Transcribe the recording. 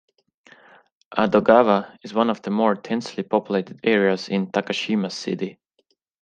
Adogawa is one of the more densely populated areas in Takashima City.